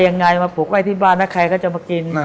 อย่างง่ายมาปลูกให้ที่บ้านและก็จะมากิน